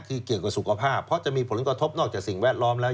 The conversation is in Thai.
คือเกี่ยวกับสุขภาพเพราะจะมีผลกระทบนอกจากสิ่งแวดล้อมแล้ว